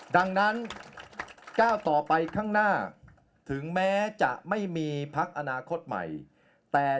ดังนั้นก้าวต่อไปข้างหน้าถึงแม้จะไม่มีพักอนาคตใหม่แต่